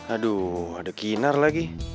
aduh ada kinar lagi